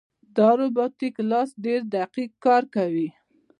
دا روبوټیک لاس ډېر دقیق کار کوي.